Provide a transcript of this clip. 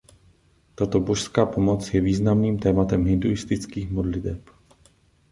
Tato božská pomoc je významným tématem hinduistických modliteb.